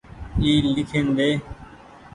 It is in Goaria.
اي ليکين ۮي۔